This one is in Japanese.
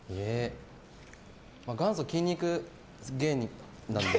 元祖筋肉芸人なので。